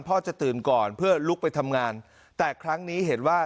จะตื่นก่อนเพื่อลุกไปทำงานแต่ครั้งนี้เห็นว่า